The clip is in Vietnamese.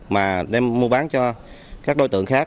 mà đem mua bán cho các đối tượng khác